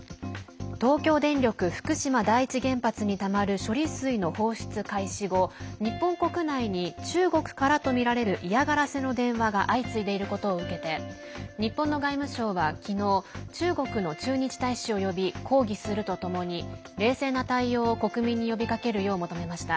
東京電力福島第一原発にたまる処理水の放出開始後、日本国内に中国からとみられる嫌がらせの電話が相次いでいることを受けて日本の外務省は昨日中国の駐日大使を呼び抗議するとともに冷静な対応を国民に呼びかけるよう求めました。